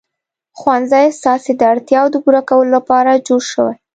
ښوونځی ستاسې د اړتیاوو د پوره کولو لپاره جوړ شوی.